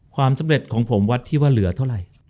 ความสำเร็จของผมวัดที่ว่าเหลือเท่าไหร่